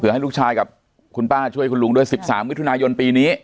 ให้ลูกชายกับคุณป้าช่วยคุณลุงด้วย๑๓มิถุนายนปีนี้